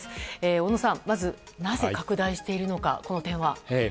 小野さん、なぜ拡大しているのかこの点は。